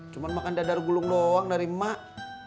cuma makan dadar gulung doang dari emak